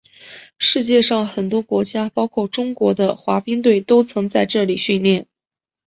世界上很多国家包括中国的滑冰队都曾在这里训练。